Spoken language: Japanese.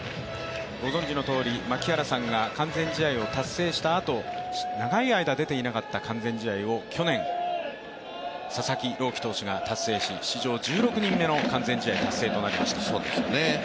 ご存じのとおり、槙原さんが完全試合を達成したあと、長い間出ていなかった完全試合を去年、佐々木朗希投手が達成し史上１６人目の完全試合達成となりました。